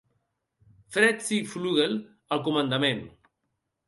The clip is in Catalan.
Fred C. Fluegel al comandament.